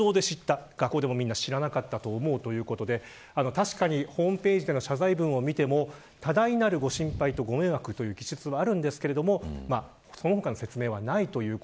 確かにホームページでの謝罪文を見ても多大なるご心配とご迷惑という記述はありますがその他の説明がありません。